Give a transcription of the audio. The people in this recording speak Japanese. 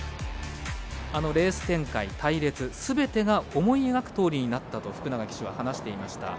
レース展開、隊列すべてが思い描くとおりになったと福永騎手は話していました。